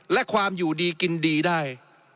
และความอยู่ดีกินดีได้